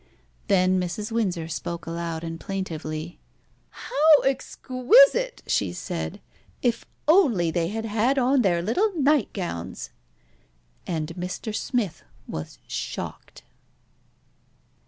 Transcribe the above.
Then Mrs. Windsor spoke aloud and plaintively "How exquisite!" she said. "If only they had had on their little nightgowns!" And Mr. Smith was shocked.